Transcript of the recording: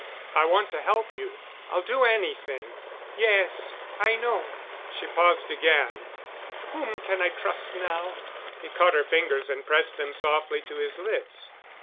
"I want to help you. I'll do anything——" "Yes. I know—" she paused again. "Whom can I trust now?" He caught her fingers and pressed them softly to his lips.